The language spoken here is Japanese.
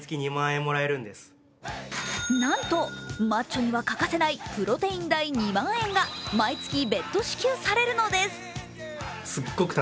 なんとマッチョには欠かせないプロテイン代２万円が毎月、別途支給されるのです。